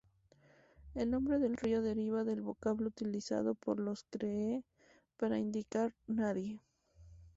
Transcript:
El nombre del río deriva del vocablo utilizado por los Cree para indicar "nadie".